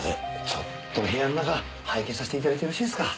ちょっと部屋の中拝見させて頂いてよろしいですか？